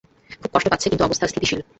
খুব কষ্ট পাচ্ছে কিন্তু অবস্থা স্থিতিশীল।